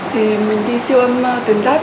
thì mình đi siêu âm tuyến giáp